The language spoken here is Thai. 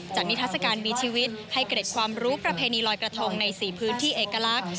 นิทัศกาลมีชีวิตให้เกร็ดความรู้ประเพณีลอยกระทงใน๔พื้นที่เอกลักษณ์